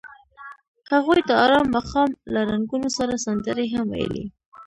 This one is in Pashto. هغوی د آرام ماښام له رنګونو سره سندرې هم ویلې.